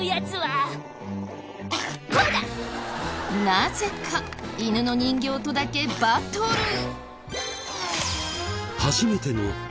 なぜか犬の人形とだけバトル。